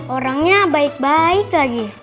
orangnya baik baik lagi